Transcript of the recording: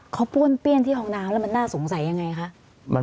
เขาป้วนเปี้ยนที่ห้องน้ำแล้วมันน่าสงสัยยังไงคะ